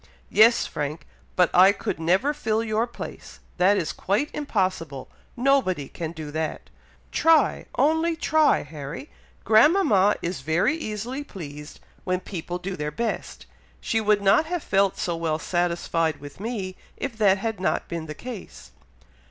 "Yes, Frank! but I could never fill your place! that is quite impossible! Nobody can do that!" "Try! only try, Harry! grandmama is very easily pleased when people do their best. She would not have felt so well satisfied with me, if that had not been the case."